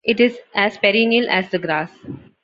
It is as perennial as the grass.